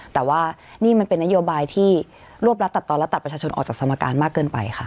แต่ว่านี่มันเป็นนโยบายที่รวบรัดตัดตอนและตัดประชาชนออกจากสมการมากเกินไปค่ะ